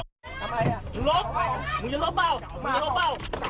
มึงจะลุกเปล่า